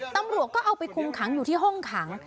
ตำรวจก็เอาไปคุมขังอยู่ที่ห้องขัง